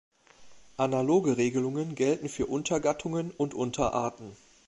Analoge Regelungen gelten für Untergattungen und Unterarten.